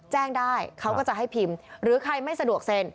แจ้งได้เขาก็จะให้พิมพ์หรือใครไม่สะดวกเซ็น